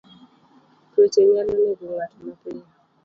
Tuoche nyalo nego ng'ato mapiyo.